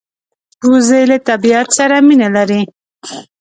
وزې له طبیعت سره مینه لري